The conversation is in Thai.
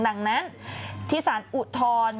ดังนั้นที่สารอุทธรณ์